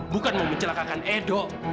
bukan mau mencelakakan edo